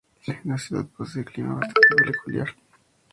La ciudad posee un clima bastante peculiar para esta región del Brasil.